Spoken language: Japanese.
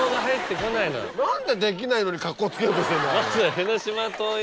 何でできないのにカッコつけようとしてんのあれ。